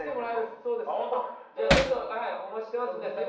じゃあちょっとお待ちしてますんで。